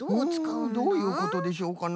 うんどういうことでしょうかな？